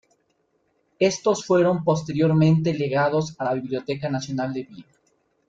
Estos fueron posteriormente legados a la Biblioteca Nacional de Viena.